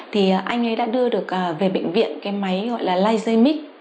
thì anh ấy đã đưa được về bệnh viện cái máy gọi là lasermix